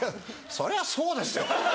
それはそうですよ。